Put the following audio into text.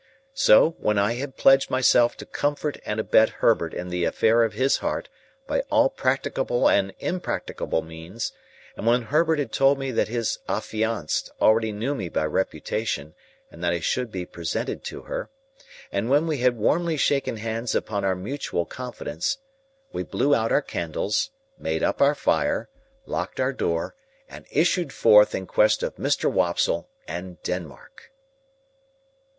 So, when I had pledged myself to comfort and abet Herbert in the affair of his heart by all practicable and impracticable means, and when Herbert had told me that his affianced already knew me by reputation and that I should be presented to her, and when we had warmly shaken hands upon our mutual confidence, we blew out our candles, made up our fire, locked our door, and issued forth in quest of Mr. Wopsle and Denmark.